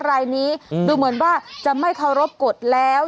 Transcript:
รายนี้ดูเหมือนว่าจะไม่เคารพกฎแล้ว